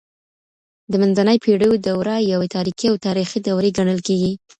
د منځنۍ پیړیو دوره یوې تاريکي او تاریخي دورې ګڼل کیږي.